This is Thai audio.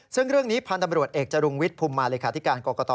ซึ่งเรื่องนี้พันธุ์ตำรวจเอกจรุงวิทย์ภูมิมาเลขาธิการกรกต